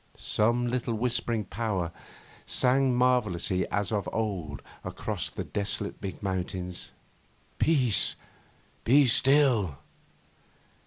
Some little whispering power sang marvellously as of old across the desolate big mountains, 'Peace! Be still!